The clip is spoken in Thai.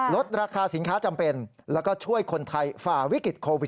ลดราคาสินค้าจำเป็นแล้วก็ช่วยคนไทยฝ่าวิกฤตโควิด